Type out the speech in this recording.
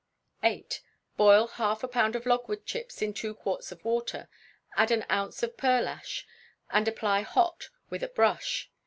viii. Boil half a pound of logwood chips in two quarts of water, add an ounce of pearlash, and apply hot with a brush.